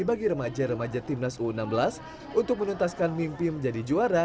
bagi remaja remaja timnas u enam belas untuk menuntaskan mimpi menjadi juara